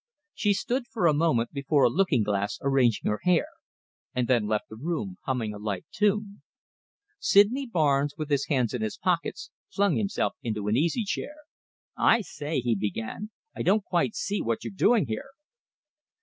She stood for a moment before a looking glass arranging her hair, and then left the room humming a light tune. Sydney Barnes, with his hands in his pockets, flung himself into an easy chair. "I say," he began, "I don't quite see what you're doing here."